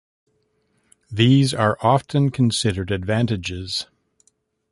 These are often considered advantages.